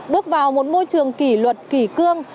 bước vào một môi trường kỷ luật kỷ cương